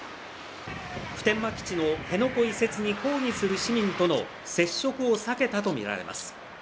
普天間基地の辺野古移設に抗議する市民との接触を避けたとみられます。